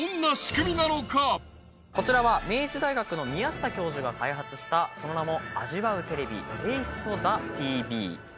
こちらは明治大学の宮下教授が開発したその名も味わうテレビ「ＴａｓｔｅｔｈｅＴＶ」。